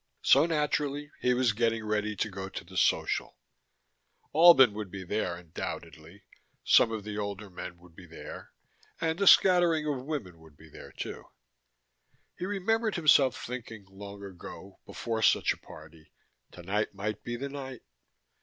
So, naturally, he was getting ready to go to the Social. Albin would be there, undoubtedly, some of the older men would be there and a scattering of women would be there, too. (He remembered himself thinking, long ago before such a party: Tonight might be the night.)